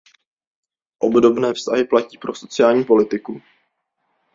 Obdobné vztahy platí pro sociální politiku.